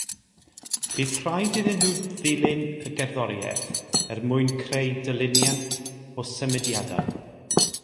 Bydd rhaid iddyn nhw ddilyn y gerddoriaeth er mwyn creu dilyniant o symudiadau